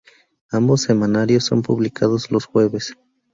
Ambos semanarios son publicados los jueves.